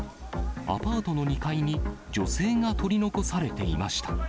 アパートの２階に、女性が取り残されていました。